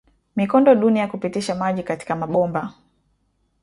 Mikondo duni ya kupitisha maji katika maboma